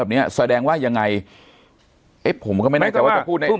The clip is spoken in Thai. แบบเนี้ยสอยแดงว่ายังไงเอ๊ะผมก็ไม่น่าจำว่าจะพูด